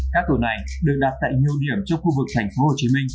các tổ này được đặt tại nhiều điểm trong khu vực tp hcm